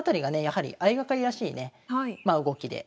やはり相掛かりらしいねまあ動きで。